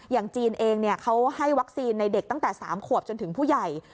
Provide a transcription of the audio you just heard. อย่างจีนเองเขาให้วัคซีนในเด็กตั้งแต่๓ขวบจนถึงผู้ใหญ่